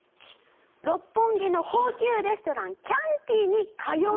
六本木の高級レストランキャンティに通う事です。